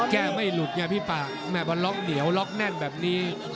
ไม่หลุดไงพี่ปากแม่พอล็อกเหนียวล็อกแน่นแบบนี้